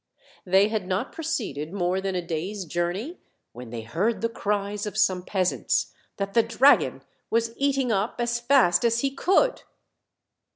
They had not proceeded more than a day's journey when they heard the cries of some peasants that the dragon was eating up as fast as he could.